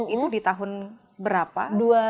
itu di tahun berapa